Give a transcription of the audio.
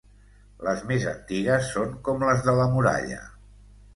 Les més antigues són com les de la muralla.